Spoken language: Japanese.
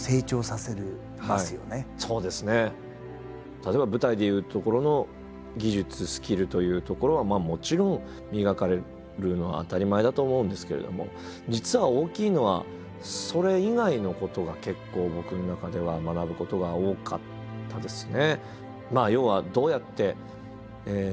例えば舞台でいうところの技術スキルというところはもちろん磨かれるのは当たり前だと思うんですけれども実は大きいのはそれ以外のことが結構僕の中では学ぶことが多かったですね。